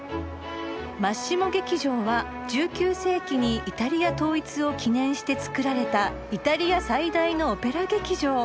「マッシモ劇場は１９世紀にイタリア統一を記念して造られたイタリア最大のオペラ劇場。